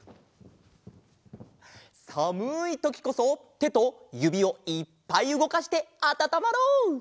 さむいときこそてとゆびをいっぱいうごかしてあたたまろう！